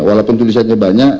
walaupun tulisannya banyak